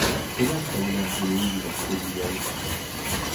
Pelec'h taoler goloioù ar podoù yaourt ?